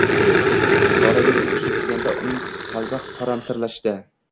Pora berib o‘qishga kirganda uning qalbi qoramtirlashdi